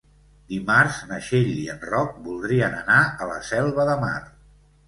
Dimarts na Txell i en Roc voldrien anar a la Selva de Mar.